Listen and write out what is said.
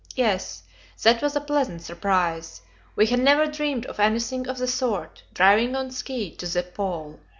Yes; that was a pleasant surprise. We had never dreamed of anything of the sort driving on ski to the Pole!